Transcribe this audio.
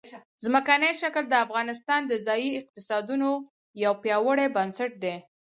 ځمکنی شکل د افغانستان د ځایي اقتصادونو یو پیاوړی بنسټ دی.